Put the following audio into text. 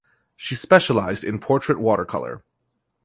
She specialized in portrait watercolor.